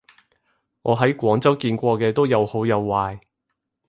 我喺廣州見過嘅都有好有壞